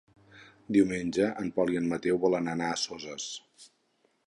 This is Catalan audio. Diumenge en Pol i en Mateu volen anar a Soses.